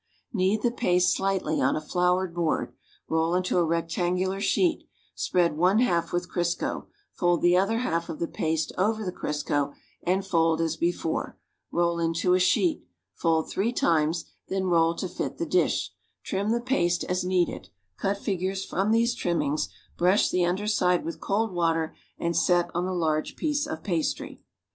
Knead the paste slighth on a floured board, roll into a rectangular sheet, spread one half with Crisco, told the other half of the paste over the Crisco and fold as before; roll into a sheet, fold three times, then roll to fit the dish, trim the paste as needed; cut figures from these trimmings, brush the under side with cold water and set on the largo piece of pastry.